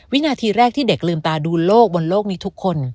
วินาทีแรกที่เด็กลืมตาดูโลกบนโลกนี้ทุกคน